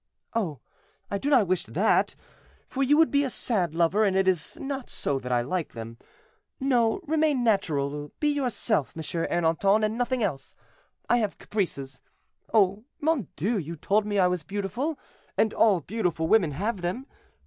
"Oh! I do not wish that, for you would be a sad lover, and it is not so that I like them. No, remain natural, be yourself, M. Ernanton, and nothing else. I have caprices. Oh! mon Dieu, you told me I was beautiful, and all beautiful women have them.